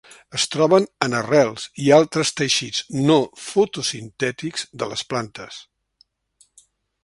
Es troben en arrels i altres teixits no fotosintètics de les plantes.